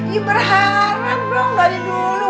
ya berharap dong dari dulu